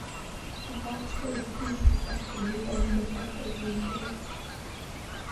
The half-stage booster section would then drop off as usual.